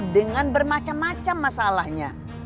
dengan bermacam macam masalahnya